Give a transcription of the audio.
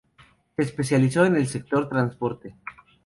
Se especializó en el sector transporte.